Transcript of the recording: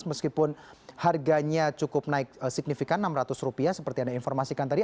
meskipun harganya cukup naik signifikan enam ratus rupiah seperti yang diinformasikan tadi